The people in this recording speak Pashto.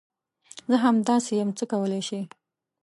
زه همداسي یم ، څه کولی شې ؟